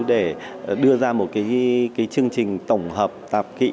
để đưa ra một cái chương trình tổng hợp tạp kỹ